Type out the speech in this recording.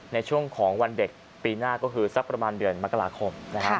ในช่วงของวันเด็กปีหน้าก็คือสักประมาณเดือนมกราคม